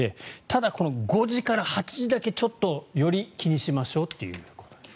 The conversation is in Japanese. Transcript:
ただ、この５時から８時だけちょっとより気にしましょうと。